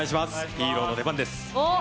ヒーローの出番です。